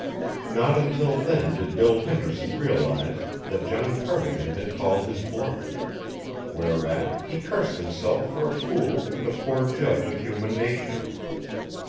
Not until then did Bill Henderson realize that John Cardigan had called his bluff whereat he cursed himself for a fool and a poor judge of human nature.